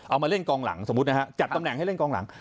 เอามาเล่นกองหลังสมมุตินะฮะจัดตำแหน่งให้เล่นกองหลัง